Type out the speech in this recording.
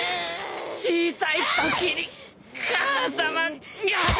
「小さいときに母さまが」くっ。